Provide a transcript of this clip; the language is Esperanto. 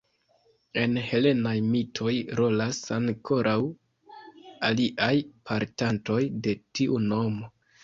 En helenaj mitoj rolas ankoraŭ aliaj portantoj de tiu nomo.